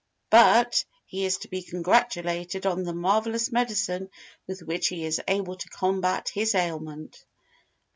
_ "_But he is to be congratulated on the marvellous medicine with which he is able to combat this ailment.